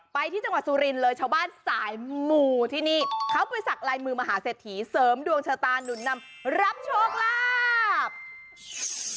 ไปที่จังหวัดสุรินทร์เลยชาวบ้านสายหมู่ที่นี่เขาไปสักลายมือมหาเศรษฐีเสริมดวงชะตาหนุนนำรับโชคลาภ